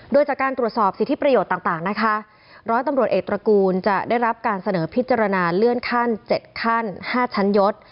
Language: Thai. โดยจากการตรวจสอบสิทธิประโยชน์ต่างนะคะร้อยตำรวจเอกตระกูลจะได้รับการเสนอพิจารณาเลื่อนขั้น๗ขั้น๕ชั้นยศ